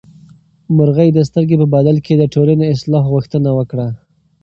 مرغۍ د سترګې په بدل کې د ټولنې د اصلاح غوښتنه وکړه.